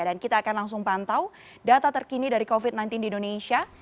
dan kita akan langsung pantau data terkini dari covid sembilan belas di indonesia